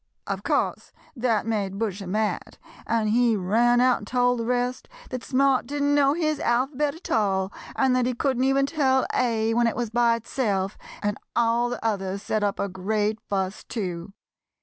] "Of course that made Bushy mad, and he ran out and told the rest that Smart didn't know his alphabet at all, and that he couldn't even tell A when it was by itself, and all the others set up a great fuss, too.